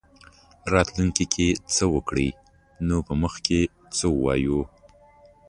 راتلونکې کې څه وکړي نو په مخ کې څه ووایو.